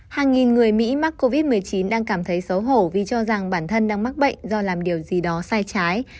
hàng nghìn người mỹ mắc covid một mươi chín đang cảm thấy xấu hổ vì cho rằng bản thân đang mắc bệnh do làm điều gì đó sai trái